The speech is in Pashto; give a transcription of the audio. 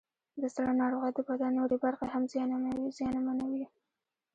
د زړه ناروغۍ د بدن نورې برخې هم زیانمنوي.